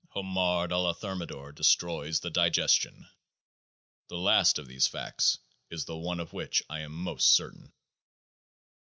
Homard a la Thermidor destroys the digestion. The last of these facts is the one of which I am most certain.